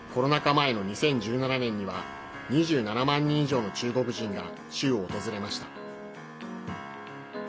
前の２０１７年には２７万人以上の中国人が州を訪れました。